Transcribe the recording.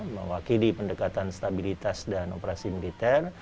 mewakili pendekatan stabilitas dan operasi militer